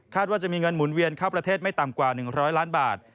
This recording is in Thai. ว่าจะมีเงินหมุนเวียนเข้าประเทศไม่ต่ำกว่า๑๐๐ล้านบาท